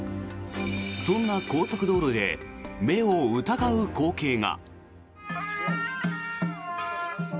そんな高速道路で目を疑う光景が。